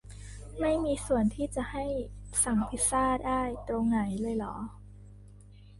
ไม่มีส่วนที่จะให้สั่งพิซซ่าได้ตรงไหนเลยเหรอ